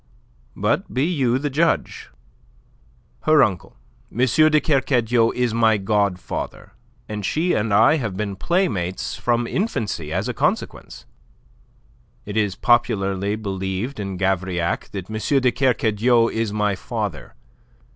But be you the judge. Her uncle, M. de Kercadiou, is my godfather, and she and I have been playmates from infancy as a consequence. It is popularly believed in Gavrillac that M. de Kercadiou is my father.